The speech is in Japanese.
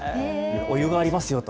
お湯がありますよと。